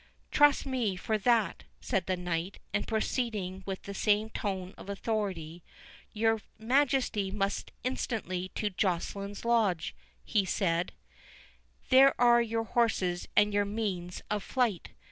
"Trust me for that," said the knight; and proceeding with the same tone of authority—"Your Majesty must instantly to Joceline's lodge," he said, "there are your horses and your means of flight.